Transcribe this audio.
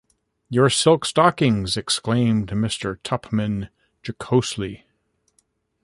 ‘You in silk stockings!’ exclaimed Mr. Tupman jocosely.